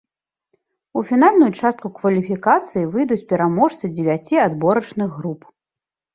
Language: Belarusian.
У фінальную частку кваліфікацыі выйдуць пераможцы дзевяці адборачных груп.